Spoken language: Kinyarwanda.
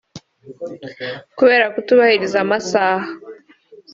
Kubera kutubahiriza amasaha